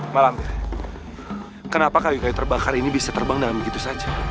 malam kenapa kayu kayu terbakar ini bisa terbang dalam begitu saja